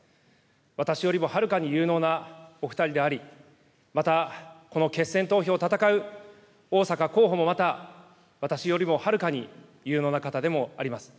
私よりもはるかに有能なお２人であり、またこの決選投票を戦う逢坂候補もまた私よりもはるかに有能な方でもあります。